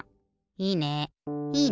いいね。